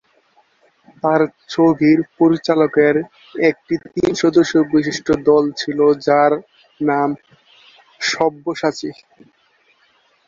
তার ছবির পরিচালকের একটি তিন সদস্য বিশিষ্ট দল ছিল যার নাম সব্যসাচী।